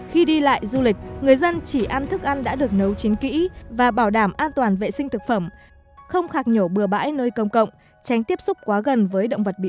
khi đi lại du lịch người dân chỉ ăn thức ăn đã được nấu chín kỹ và bảo đảm an toàn vệ sinh thực phẩm không khạc nhổ bừa bãi nơi công cộng tránh tiếp xúc quá gần với động vật bị